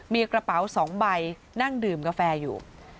มีกระเป๋า๒ใบนั่งดื่มกาแฟอยู่